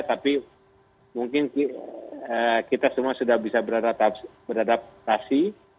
tapi mungkin kita semua sudah bisa beradaptasi